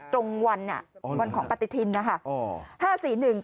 ตรงวันของปฏิทินนะคะ